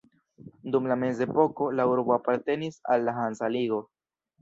Dum la mezepoko, la urbo apartenis al la Hansa Ligo.